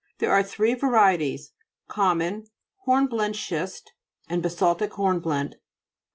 There are three varie ties ; common, hornblende schist, and basaltic hornblende.